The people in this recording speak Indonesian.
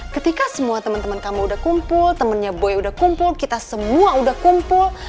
ketika semua teman teman kamu udah kumpul temennya boy udah kumpul kita semua udah kumpul